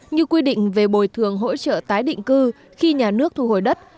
như quy định về bồi thường hỗ trợ tái định cư khi nhà nước thu hồi đất